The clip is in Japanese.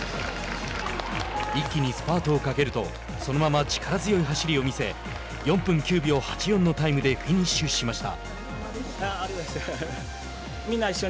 一気にスパートをかけるとそのまま力強い走りを見せ４分９秒８４のタイムでフィニッシュしました。